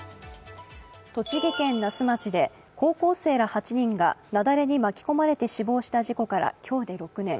栃木県那須町で高校生ら８人が雪崩に巻き込まれて死亡した事故から今日で６年。